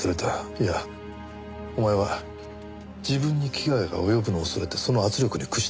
いやお前は自分に危害が及ぶのを恐れてその圧力に屈したんじゃないか？